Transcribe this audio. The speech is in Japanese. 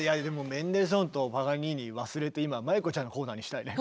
メンデルスゾーンとパガニーニ忘れて今真由子ちゃんのコーナーにしたいね。